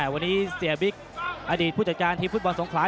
วันนี้เสียบิ๊กอดีตผู้จัดการทีมฟุตบอลสงขลา